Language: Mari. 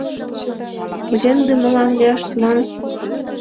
— Кузе ынде мылам лияш, туван?